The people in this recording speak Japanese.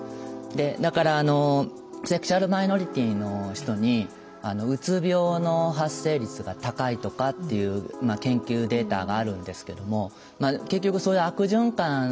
だからセクシュアルマイノリティの人にうつ病の発生率が高いとかっていう研究データがあるんですけども結局そういう悪循環の結果なんですね。